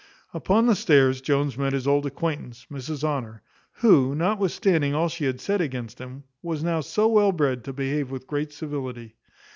Upon the stairs Jones met his old acquaintance, Mrs Honour, who, notwithstanding all she had said against him, was now so well bred to behave with great civility.